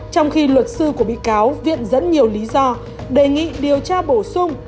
trong khi luật sư của bị cáo viện dẫn nhiều lý do đề nghị điều tra bổ sung